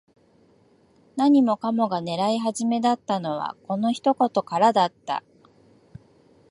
何もかもが狂い始めたのは、この一言からだった。